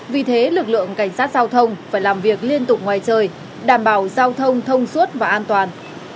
vì thế lực lượng cảnh sát giao thông phải làm việc liên tục ngoài trời đảm bảo giao thông thông suốt và an toàn